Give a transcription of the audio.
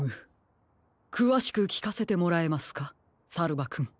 くわしくきかせてもらえますかさるばくん。